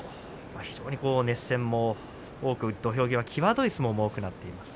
非常に熱戦も多く、土俵際際どい相撲も多くなっています。